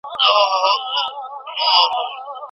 د تیارې قاصد راغلی لمبه نه پرېږدي ځلا ته